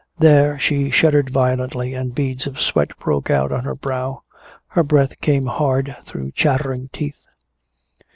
There she shuddered violently and beads of sweat broke out on her brow. Her breath came hard through chattering teeth.